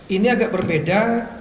ini agak berbeda